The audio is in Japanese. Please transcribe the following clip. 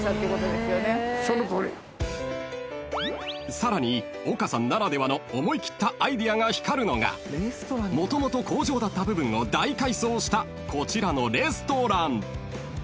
［さらに岡さんならではの思い切ったアイデアが光るのがもともと工場だった部分を大改装したこちらのレストラン］